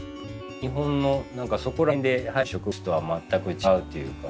日本の何かそこら辺で生えてる植物とは全く違うというか。